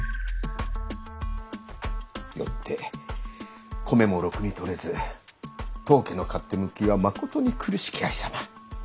よって米もろくに取れず当家の勝手向きはまことに苦しき有様。